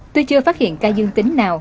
tuy chưa phát hiện ca dương tính nào